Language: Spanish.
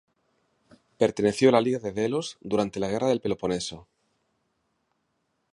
Perteneció a la Liga de Delos durante la Guerra del Peloponeso.